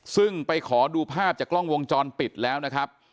ซึ่งไปขอดูภาพจากกล้องวงจรปิดแล้วนะครับ